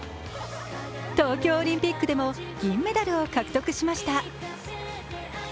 東京オリンピックでも銀メダルを獲得しました。